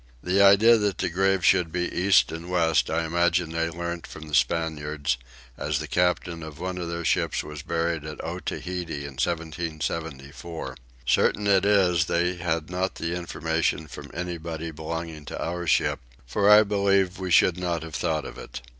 The idea that the grave should be east and west I imagine they learnt from the Spaniards, as the captain of one of their ships was buried at Oeitepeha in 1774. Certain it is they had not the information from anybody belonging to our ship; for I believe we should not have thought of it.